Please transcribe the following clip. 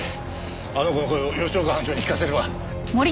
あの子の声を吉岡班長に聞かせれば。